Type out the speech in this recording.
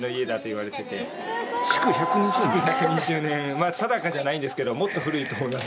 まあ定かじゃないんですけどもっと古いと思います多分。